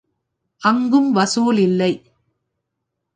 அங்கும் வசூல் இல்லை.